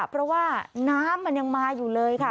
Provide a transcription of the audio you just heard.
เพราะว่าน้ำมันยังมาอยู่เลยค่ะ